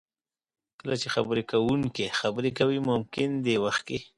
کله چې خبرې کوونکی خبرې کوي ممکن دې وخت کې